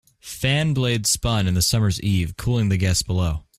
Fan blades spun in the summer's eve, cooling the guests below.